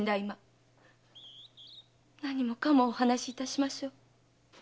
今何もかもお話しいたしましょう。